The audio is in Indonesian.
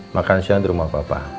makan siang di rumah bapak